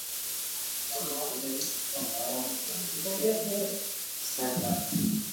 Tenge anawaeleza mabwana waishio mijini kama wanaowaweka wake